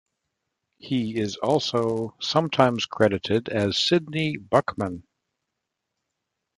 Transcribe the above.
He is also sometimes credited as Sydney Buchman.